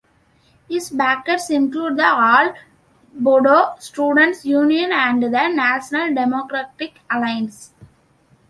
His backers include the All Bodo Students Union and the National Democratic Alliance.